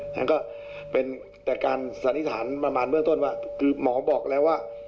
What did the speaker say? นั้นก็เป็นแต่การสันนิษฐานประมาณเบื้องต้นว่าคือหมอบอกแล้วว่า